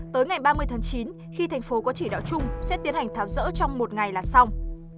tới ngày ba mươi tháng chín khi thành phố có chỉ đạo chung sẽ tiến hành tháo rỡ trong một ngày là xong